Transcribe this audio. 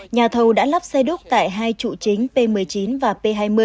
nhà thầu đã lắp xe đúc tại hai trụ chính p một mươi chín và p hai mươi